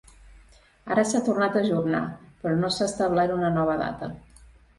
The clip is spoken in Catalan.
Ara s’ha tornat a ajornar, però no s’ha establert una nova data.